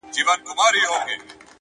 • چي په ژوند یې ارمان وخېژي نو مړه سي,